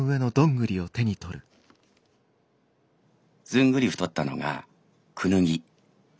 「ずんぐり太ったのがクヌギ。